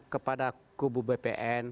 kepada kubu bpn